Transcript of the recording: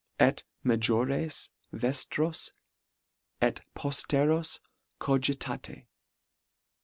Et majores vejiros et pojleros cogitate.